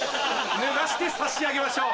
脱がして差し上げましょう。